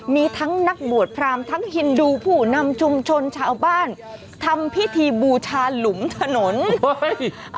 มีทั้งนักบวชพรามทั้งฮินดูผู้นำชุมชนชาวบ้านทำพิธีบูชาหลุมถนนเฮ้ย